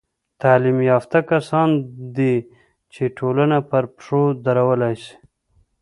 تعلیم یافته کسان دي، چي ټولنه پر پښو درولاى سي.